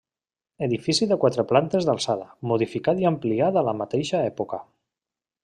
Edifici de quatre plantes d'alçada, modificat i ampliat a la mateixa època.